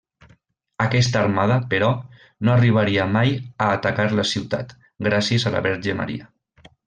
Aquesta armada però, no arribaria mai a atacar la ciutat, gràcies a la Verge Maria.